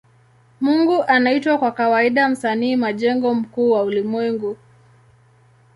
Mungu anaitwa kwa kawaida Msanii majengo mkuu wa ulimwengu.